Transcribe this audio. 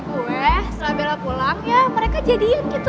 maksud gue setelah bella pulang ya mereka jadian gitu